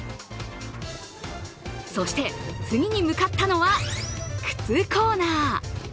そして、次に向かったのは靴コーナー。